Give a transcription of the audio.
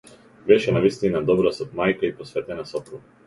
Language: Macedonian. Беше навистина добра мајка и посветена сопруга.